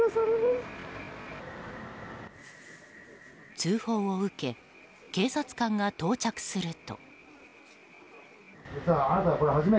通報を受け警察官が到着すると。